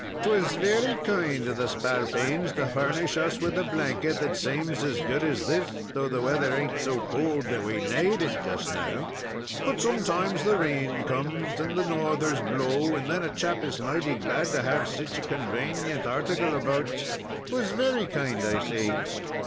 "'Twas very kind of the spalpeens to furnish us with a blanket that saams as good as this, though the weather ain't so cold that we naad it just now; but sometimes the rain comes and the northers blow, and then a chap is mighty glad to have seech a convanient article about. 'Twas very kind I say."